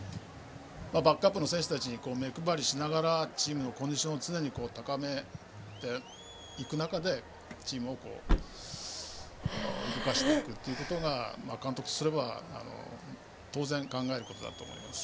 バックアップの選手たちに目配りしながらチームのコンディションを常に高めていく中でチームを動かしていくことが監督とすれば当然、考えることだと思います。